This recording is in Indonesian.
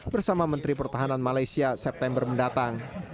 bersama menteri pertahanan malaysia september mendatang